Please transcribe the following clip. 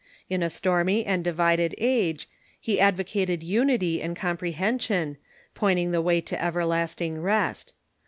In a stormy and divided age, he advocated unity and com pi ehension, pointing the way to everlasting rest.